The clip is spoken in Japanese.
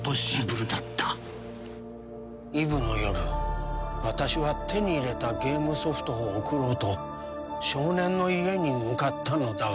イブの夜私は手に入れたゲームソフトを贈ろうと少年の家に向かったのだが。